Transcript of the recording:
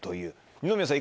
二宮さん